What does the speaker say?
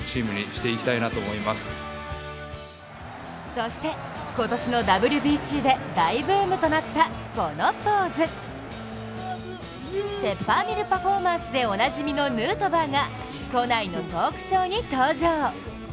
そして、今年のＷＢＣで大ブームとなったこのポーズ、ペッパーミルパフォーマンスでおなじみのヌートバーが都内のトークショーに登場。